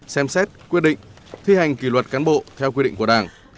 xem xét quyết định thi hành kỳ luật cán bộ theo quyết định của đảng